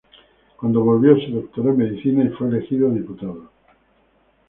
Cuando volvió, se doctoró en medicina y fue elegido diputado.